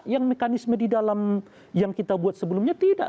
yang mekanisme di dalam yang kita buat sebelumnya tidak